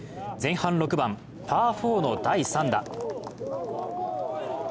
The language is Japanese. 前半６番、パー４の第３打。